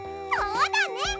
そうだね！